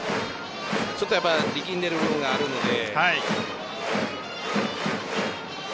ちょっと力んでる部分があるので。